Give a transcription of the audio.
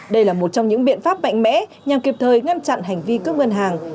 đây là một trong những biện pháp mạnh mẽ nhằm kịp thời ngăn chặn hành vi cướp ngân hàng